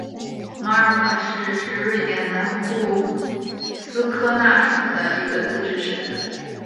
马尔默市是瑞典南部斯科讷省的一个自治市。